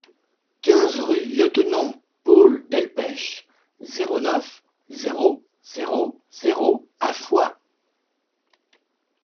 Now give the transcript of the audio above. quinze rue Lieutenant Paul Delpech, zéro neuf, zéro zéro zéro à Foix